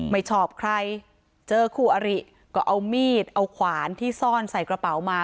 ไม่ชอบใครเจอคู่อริก็เอามีดเอาขวานที่ซ่อนใส่กระเป๋ามา